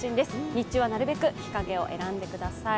日中はなるべく日陰を選んでください。